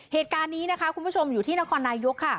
เหตุการณ์คุณผู้ชมอยู่ที่นครนายยก